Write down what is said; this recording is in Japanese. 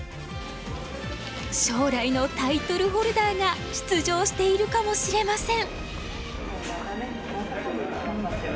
将来のタイトルホルダーが出場しているかもしれません。